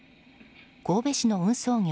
神戸市の運送業